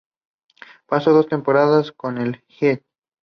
Pasó dos temporadas con los Heat.